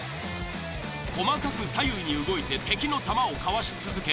細かく左右に動いて敵の弾をかわし続け